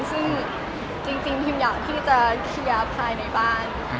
ซึ่งจริงพิมอยากที่จะเคลียร์ภายในบ้าน